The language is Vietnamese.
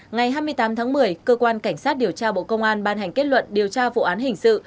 ngày hai mươi tám tháng một mươi cơ quan cảnh sát điều tra bộ công an ban hành kết luận điều tra vụ án hình sự